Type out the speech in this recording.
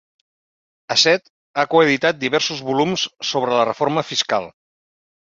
Hassett ha coeditat diversos volums sobre la reforma fiscal.